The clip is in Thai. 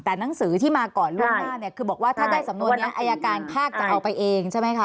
แต่หนังสือที่มาก่อนล่วงหน้าเนี่ยคือบอกว่าถ้าได้สำนวนนี้อายการภาคจะเอาไปเองใช่ไหมคะ